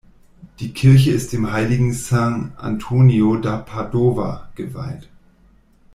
Die Kirche ist dem Heiligen Sant’Antonio da Padova geweiht.